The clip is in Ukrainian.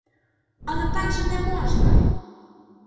Але так же не можна!